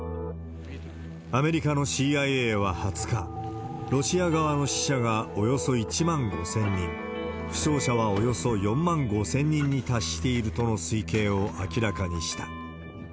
アメリカのＣＩＡは２０日、ロシア側の死者がおよそ１万５０００人、負傷者はおよそ４万５０００人に達しているとの推計を明らかにした。